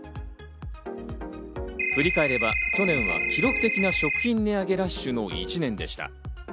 振り返れば去年は、記録的な食品値上げラッシュの１年でした。